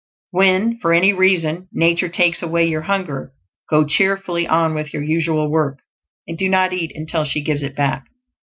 When, for any reason, nature takes away your hunger, go cheerfully on with your usual work, and do not eat until she gives it back.